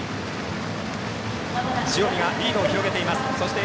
塩見がリードを広げています。